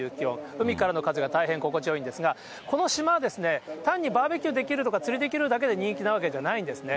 海からの風が大変心地いいんですが、この島は単にバーベキューできるとか釣りできるだけで人気なわけじゃないんですね。